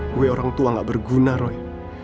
gue orang tua gak berguna roy